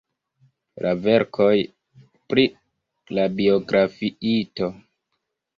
la verkoj pri la biografiito.